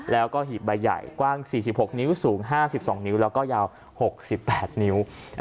แล้วก็หีบใบใหญ่กว้าง๔๖นิ้วสูง๕๒นิ้วแล้วก็ยาว๖๘นิ้ว